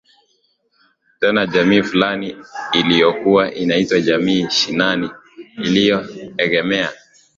Tena jamii fulani iliyokuwa inaitwa Jamii shinani iliyoegemea